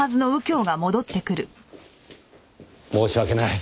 申し訳ない。